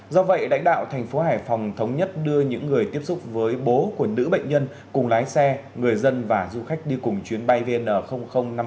do vậy lãnh đạo thành phố hải phòng thống nhất đưa những người tiếp xúc với bố của nữ bệnh nhân cùng lái xe người dân và du khách đi cùng chuyến bay vn năm mươi bốn